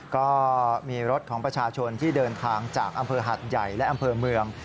ก็มีรถของประชาชนที่เดินทางจากอำเภอหัดใหญ่และอำเภอเมือง